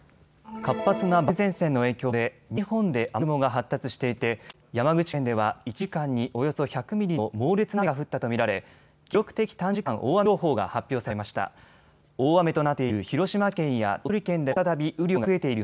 活発な梅雨前線の影響で西日本で雨雲が発達していて山口県では１時間におよそ１００ミリの猛烈な雨が降ったと見られ記録的短時間大雨情報が発表されました。